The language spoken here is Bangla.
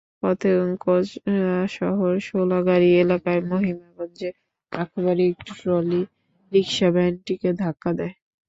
পথে কোচাশহর শোলাগাড়ি এলাকায় মহিমাগঞ্জের আখবাহী একটি ট্রলি রিকশাভ্যানটিকে ধাক্কা দেয়।